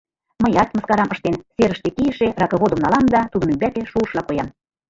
Мыят, мыскарам ыштен, серыште кийылтше ракыводым налам да тудын ӱмбаке шуышыла коям.